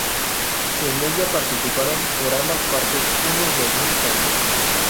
En ella participaron por ambas partes unos dos mil tanques.